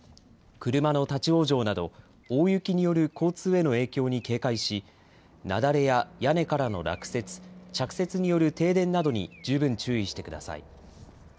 車の立往生など大雪による交通への影響に警戒し雪崩や屋根からの落雪、着雪による停電などに十分注意してください。